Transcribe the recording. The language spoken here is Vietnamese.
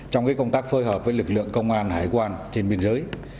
trong công tác phối hợp với lực lượng công an hải quan trên biên giới